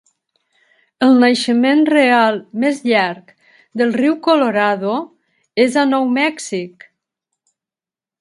El naixement real més llarg del riu Colorado és a Nou Mèxic.